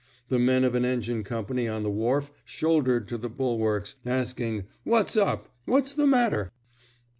The men of an engine company on the wharf shouldered to the bulwarks, asking '' What's up? What's the matter?